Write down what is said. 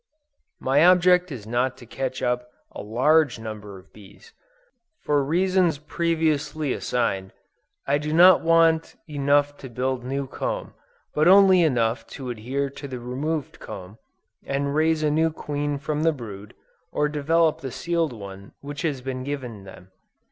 My object is not to catch up a large number of bees. For reasons previously assigned, I do not want enough to build new comb, but only enough to adhere to the removed comb, and raise a new queen from the brood, or develop the sealed one which has been given them.